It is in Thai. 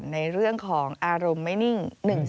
ในเรื่องของอารมณ์ไม่นิ่ง๑๒